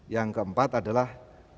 yang keempat adalah